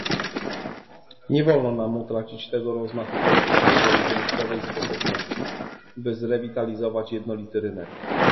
Nie wolno nam utracić tego rozmachu politycznego i wyjątkowej sposobności, by zrewitalizować jednolity rynek